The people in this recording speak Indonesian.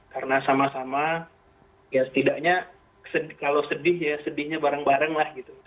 karena sama sama ya setidaknya kalau sedih ya sedihnya bareng bareng lah gitu